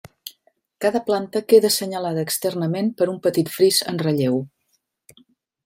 Cada planta queda assenyalada externament per un petit fris en relleu.